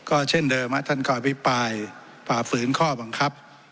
ก็เช่นเดิมอ่ะท่านก็อภิกษ์ปลายประฝืนข้อบังคับ